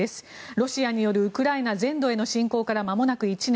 ロシアによるウクライナ全土への侵攻からまもなく１年。